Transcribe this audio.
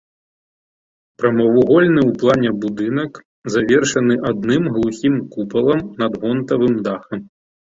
Прамавугольны ў плане будынак, завершаны адным глухім купалам над гонтавым дахам.